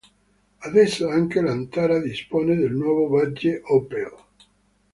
Adesso anche l'Antara dispone del nuovo badge Opel.